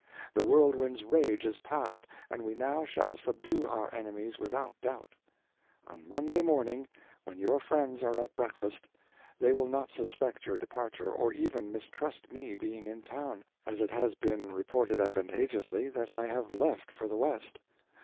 The whirlwind's rage is past, and we now shall subdue our enemies without doubt. On Monday morning, when your friends are at breakfast, they will not suspect your departure, or even mistrust me being in town, as it has been reported advantageously that I have left for the west.